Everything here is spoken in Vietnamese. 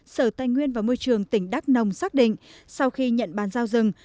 sở tây nguyên và môi trường tỉnh đắk nông xác định sau khi nhận bán giao rừng